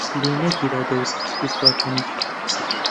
لێی نەگیرا دەوروپشت و چوار تەنیشت،